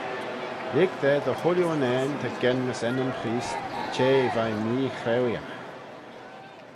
Lhig da dy chooilley unnane ta genmys ennym Chreest, çhea veih meechraueeaght.